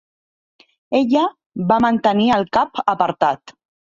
Ella va mantenir el cap apartat.